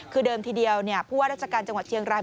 คือเดิมทีเดียวผู้ว่าราชการจังหวัดเชียงราย